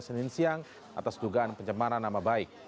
senin siang atas dugaan pencemaran nama baik